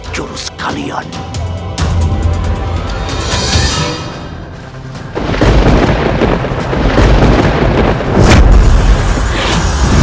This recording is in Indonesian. jadi sebagai terhormat